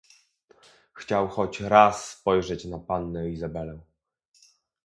"Chciał choć raz spojrzeć na pannę Izabelę."